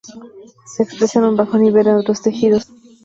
Se expresa en un bajo nivel en otros tejidos.